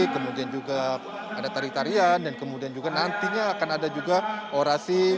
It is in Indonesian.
kemudian juga ada tarian tarian dan kemudian juga nantinya akan ada juga orasi